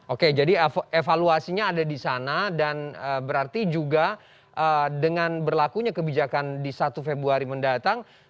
oke jadi evaluasinya ada di sana dan berarti juga dengan berlakunya kebijakan di satu februari mendatang